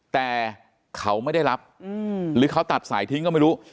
แต่เขาไม่ได้รับหรือเขาตัดสายทิ้งก็ไม่รู้